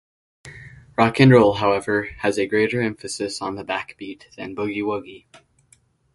Rock and roll however has a greater emphasis on the backbeat than boogie woogie.